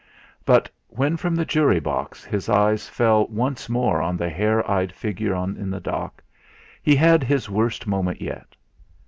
But when from the jury box his eyes fell once more on the hare eyed figure in the dock, he had his worst moment yet.